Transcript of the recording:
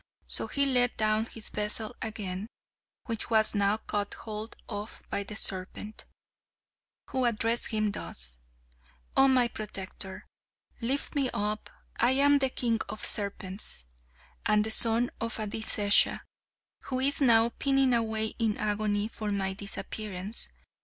So he let down his vessel again, which was now caught hold of by the serpent, who addressed him thus: "Oh, my protector! Lift me up. I am the king of serpents, and the son of Adisesha, who is now pining away in agony for my disappearance.